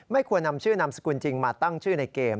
ควรนำชื่อนามสกุลจริงมาตั้งชื่อในเกม